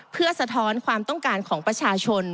เพื่อสะท้อนความต้องการของประชาชน